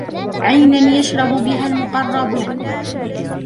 عَيْنًا يَشْرَبُ بِهَا الْمُقَرَّبُونَ